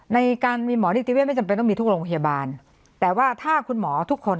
ในการมีหมอนิติเวทไม่จำเป็นต้องมีทุกโรงพยาบาลแต่ว่าถ้าคุณหมอทุกคน